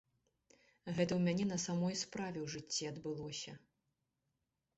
Гэта ў мяне на самой справе ў жыцці адбылося.